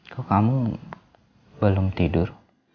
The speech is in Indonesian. kok kamu belum tidur